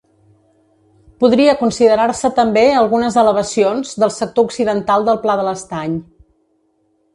Podria considerar-se també algunes elevacions del sector occidental del Pla de l'Estany.